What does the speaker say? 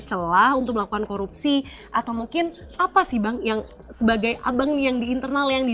celah untuk melakukan korupsi atau mungkin apa sih bang yang sebagai abang yang di internal yang di